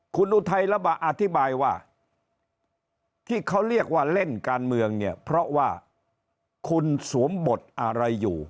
คุณอุทัยระบะอธิบายว่าที่เขาเรียกว่าเล่นการเมืองเนี่ยเพราะว่าคุณสวมบทอะไรอยู่